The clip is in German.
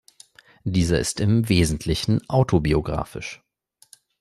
Dieser ist im Wesentlichen autobiografisch.